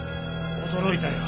驚いたよ。